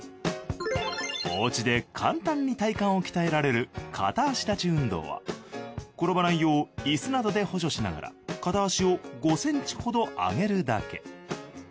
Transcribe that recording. お家で簡単に体幹を鍛えられる片足立ち運動は転ばないようイスなどで補助しながら片足を５ｃｍほど上げるだけ。